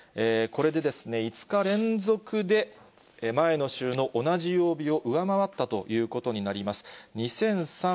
これで５日連続で前の週の同じ曜日を上回ったということになります。